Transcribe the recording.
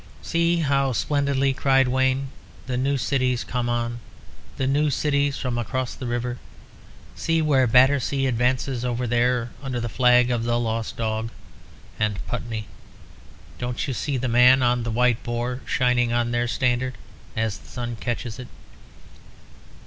"See how splendidly," cried Wayne, "the new cities come on the new cities from across the river. See where Battersea advances over there under the flag of the Lost Dog; and Putney don't you see the Man on the White Boar shining on their standard as the sun catches it?